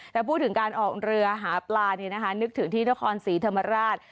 แต่พูดถึงการออกเรือหาปลานึกถึงที่นครศรีธรรมราช